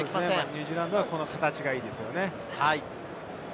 ニュージーランドは、この形がいいですよね。